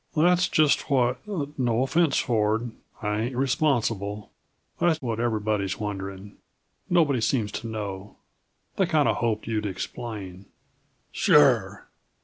"That's just what (no offense, Ford I ain't responsible) that's what everybody's wondering. Nobody seems to know. They kinda hoped you'd explain " "Sure!"